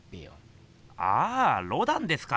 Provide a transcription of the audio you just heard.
ああロダンですか。